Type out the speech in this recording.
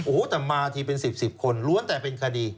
โอ้โหแต่มาทีเป็น๑๐๑๐คนล้วนแต่เป็นคดี